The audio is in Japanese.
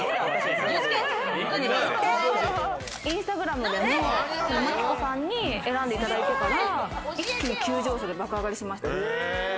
インスタグラムでも真紀子さんに選んでいただいてから、一気に急上昇で爆上がりしました。